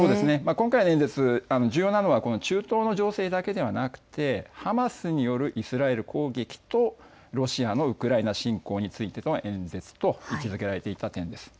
今回の演説、重要なのは中東の情勢だけではなくてハマスによるイスラエル攻撃とロシアのウクライナ侵攻についての演説と位置づけられていた点です。